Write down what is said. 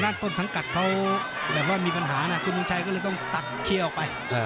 ต้นสังกัดเขาแบบว่ามีปัญหานะคุณทงชัยก็เลยต้องตัดเคลียร์ออกไป